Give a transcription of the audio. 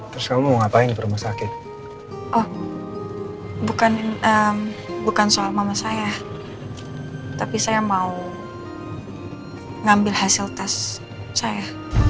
terus kamu mau ngapain ke rumah sakit oh bukan soal mama saya tapi saya mau ngambil hasil tes saya